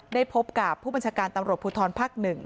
ได้พบกับผู้บัญชการตำรวจพูดทรพัก๑